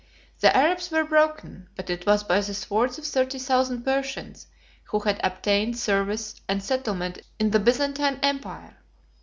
The Arabs were broken, but it was by the swords of thirty thousand Persians, who had obtained service and settlement in the Byzantine empire.